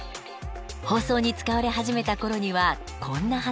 放送に使われ始めた頃にはこんな話も。